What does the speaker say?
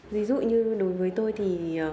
ví dụ như đối với tôi thì